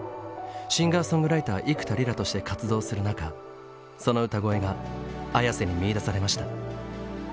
シンガーソングライター幾田りらとして活動する中その歌声がＡｙａｓｅに見いだされました。